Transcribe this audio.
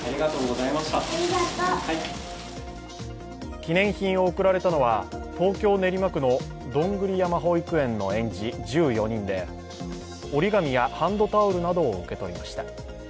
記念品を贈られたのは東京・練馬区のどんぐり山保育園の園児１４人で折り紙やハンドタオルなどを受け取りました。